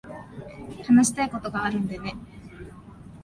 話したいことがあるんでね。